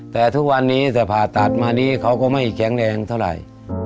แต่ทุกวันนี้แต่ผ่าตัดมานี้เขาก็ไม่แข็งแรงเท่าไหร่